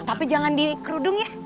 tapi jangan di kerudung ya